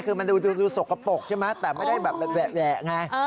คือมันดูสกปรกใช่ไหมแต่ไม่ได้แบบแหวะไง